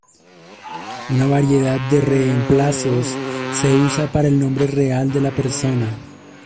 Una variedad de reemplazos se usa para el nombre real de la persona.